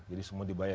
jadi semua dibayar